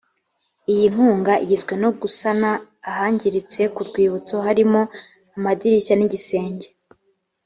iyi nkunga igizwe no gusana ahangiritse ku rwibutso harimo amadirishya n’iigisenge